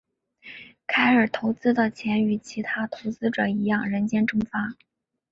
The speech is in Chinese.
凯尔投资的钱与其他投资者一样人间蒸发。